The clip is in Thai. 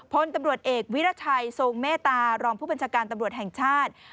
พลตำรวจเอกวิรัชัยทรงเมตตารองผู้บัญชาการตำรวจแห่งชาติ